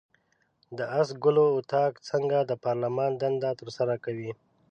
د آس ګلو اطاق څنګه د پارلمان دنده ترسره کوي؟